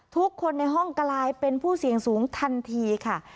ทุกคนในห้องกลายเป็นผู้เสี่ยงสูงทันทีค่ะ